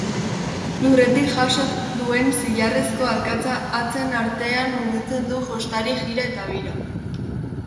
Lurretik jaso duen zilarrezko arkatza hatzen artean mugitzen du jostari jira eta bira.